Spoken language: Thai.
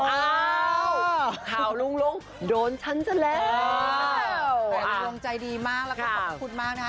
อ้าวข่าวลุงลุงโดนฉันซะแล้วแต่ลุงใจดีมากแล้วก็ขอบคุณมากนะคะ